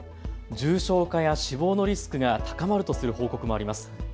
重症化や死亡のリスクが高まるとする報告もあります。